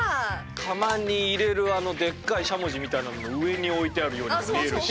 窯に入れるあのでっかいしゃもじみたいなのの上に置いてあるようにも見えるし。